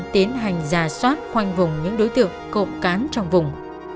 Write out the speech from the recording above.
tiến hành giả soát khoanh vùng những đối tượng cộng cán trong vùng